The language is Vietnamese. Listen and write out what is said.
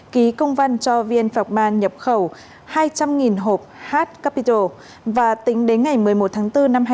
ký công văn cho vn phạc man nhập khẩu hai trăm linh hộp h capital và tính đến ngày một mươi một tháng bốn năm hai nghìn hai mươi